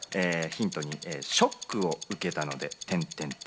ヒント２、ショックを受けたので。